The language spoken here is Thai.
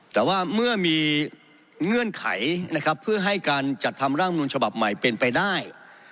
แต่ว่าเมื่อมีเงื่อนไขนะครับเพื่อให้การจัดทำร่างนุนฉบับใหม่เป็นไปได้